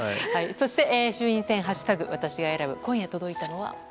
そして、衆院選「＃私が選ぶ」今夜届いたのは？